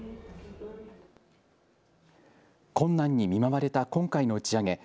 困難に見舞われた今回の打ち上げ。